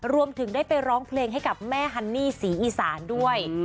รวมถึงได้ไปร้องเพลงให้กับแม่ฮันนี่ศรีอีสานด้วย